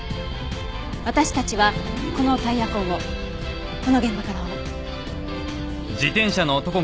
私たちはこのタイヤ痕をこの現場から追う。